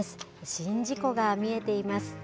宍道湖が見えています。